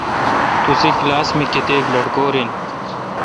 توسی کلاس مہ کتیک لٹکور این۔